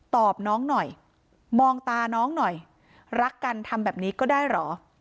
ตอบน้องหน่อยมองตาน้องหน่อยรักกันทำแบบนี้ก็ได้เหรอ